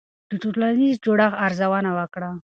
د ټولنیز جوړښت ارزونه وکړه.